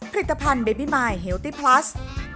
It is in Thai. ผลิตภัณฑ์เบบีมายเฮลตี้พลัส